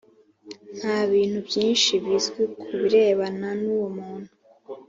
nta bintu byinshi bizwi ku birebana n’uwo muntu